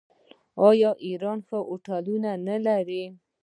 آیا ایران ښه هوټلونه نلري؟